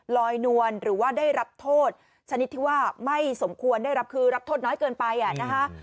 ลอยนวลหรือว่าได้รับโทษชนิดที่ว่าไม่สมควรได้รับคือรับโทษน้อยเกินไปนะคะ